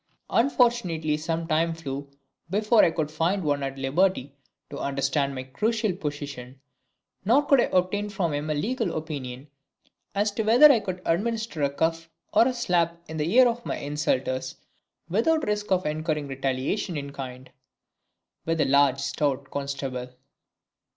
Unfortunately some time flew before I could find one at liberty to understand my crucial position, nor could I obtain from him a legal opinion as to whether I could administer a cuff or a slap in the ear to my insulters without incurring risk of retaliation in kind. [Illustration: "WITH A LARGE, STOUT CONSTABLE."